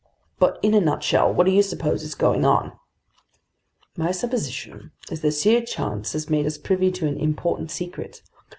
"But in a nutshell, what do you suppose is going on?" "My supposition is that sheer chance has made us privy to an important secret.